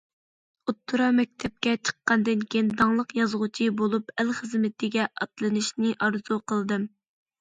ئوتتۇرا مەكتەپكە چىققاندىن كېيىن داڭلىق يازغۇچى بولۇپ ئەل خىزمىتىگە ئاتلىنىشنى ئارزۇ قىلدىم.